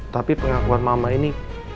tapi pengakuan mama ini